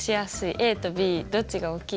ＡとＢどっちが大きい？